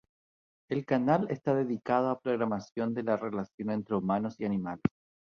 El canal está dedicado a programación de la relación entre humanos y animales.